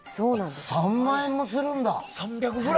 ３万円もするんだ！